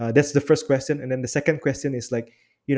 itulah pertanyaan pertama pertanyaan kedua